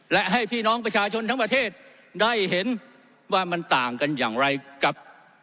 และให้พี่น้องประชาชนทั้งประเทศได้เห็นว่ามันต่างกันอย่างไรกับ